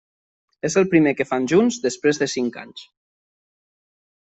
És el primer que fan junts després de cinc anys.